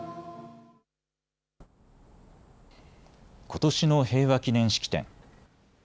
ことしの平和祈念式典。